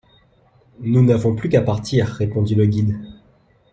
Nous n’avons plus qu’à partir, répondit le guide.